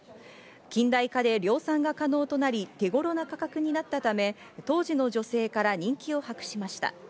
近代化で量産が可能となり、手頃な価格になったため当時の女性から人気を博しました。